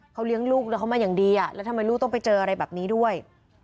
เขาเลี้ยงลูกแล้วเขามาอย่างดีแล้วทำไมลูกต้องไปเจออะไรแบบนี้ด้วย